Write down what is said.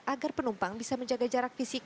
agar penumpang bisa menjaga jarak fisik